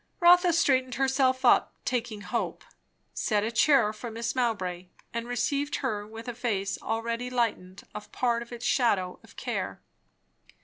Rotha straightened herself up, taking hope; set a chair for Mrs. Mowbray, and received her with a face already lightened of part of its shadow of care.